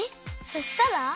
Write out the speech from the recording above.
そしたら？